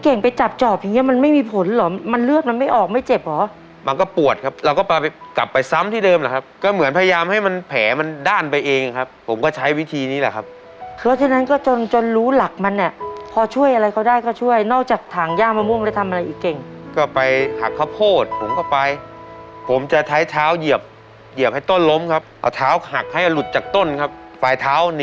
กลับไปกลับไปซ้ำที่เดิมแหละครับก็เหมือนพยายามให้มันแผลมันด้านไปเองครับผมก็ใช้วิธีนี้แหละครับเพราะฉะนั้นก็จนจนรู้หลักมันเนี้ยพอช่วยอะไรเขาได้ก็ช่วยนอกจากถางย่ามม่วงแล้วทำอะไรอีกเก่งก็ไปหักข้าวโพดผมก็ไปผมจะไถ้เท้าเหยียบเหยียบให้ต้นล้มครับเอาเท้าหักให้ลุดจากต้นครับฝ่าย